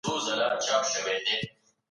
اسلامي ټولنه باید له فساده پاکه وي.